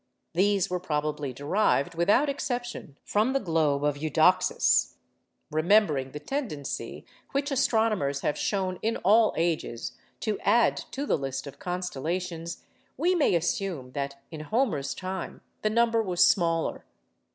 These were probably derived, without exception, from the globe of Eudoxus. Remembering the tendency which astronomers have shown, in all ages, to add to the list of constellations, we may assume that in Homer's time the number was smaller.